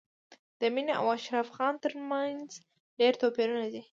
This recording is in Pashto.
د مينې او اشرف خان تر منځ ډېر توپیرونه دي